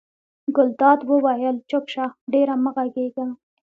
ګلداد وویل چپ شه ډېره مه غږېږه.